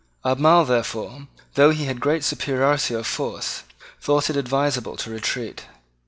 Albemarle, therefore, though he had a great superiority of force, thought it advisable to retreat.